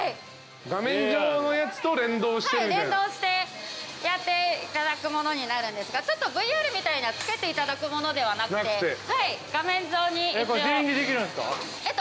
連動してやっていただくものになるんですがちょっとＶＲみたいな着けていただくものではなくて画面上に。